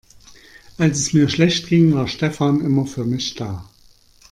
Als es mir schlecht ging, war Stefan immer für mich da.